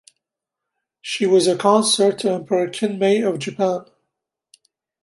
She was a consort to Emperor Kinmei of Japan.